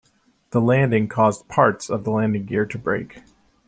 The landing caused parts of the landing gear to break.